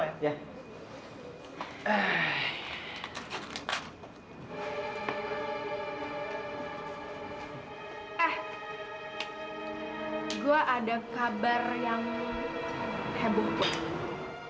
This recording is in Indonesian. eh gue ada kabar yang heboh